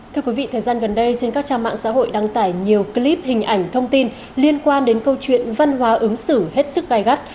thưa quý vị thời gian gần đây trên các trang mạng xã hội đăng tải nhiều clip hình ảnh thông tin liên quan đến câu chuyện văn hóa ứng xử hết sức gai gắt